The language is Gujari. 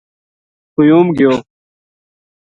قیوم گیو